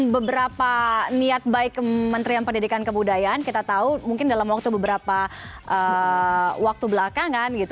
beberapa niat baik kementerian pendidikan kebudayaan kita tahu mungkin dalam waktu beberapa waktu belakangan gitu